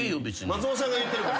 松本さんが言ってる。